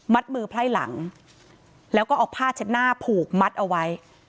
มือไพร่หลังแล้วก็เอาผ้าเช็ดหน้าผูกมัดเอาไว้